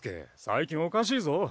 最近おかしいぞ。